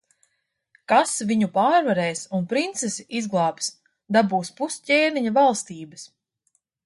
Kas viņu pārvarēs un princesi izglābs, dabūs pus ķēniņa valstības.